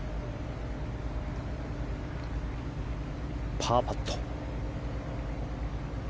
パーパット。